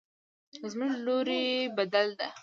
زموږ لوري بدل ده